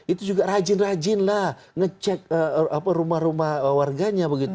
itu juga rajin rajinlah ngecek rumah rumah warganya